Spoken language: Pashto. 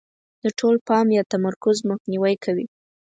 د ټول پام یا تمرکز مخنیوی کوي.